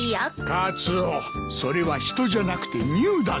カツオそれは「人」じゃなくて「入」だぞ。